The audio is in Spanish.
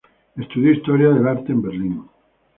Estudió historia del arte en Berlín.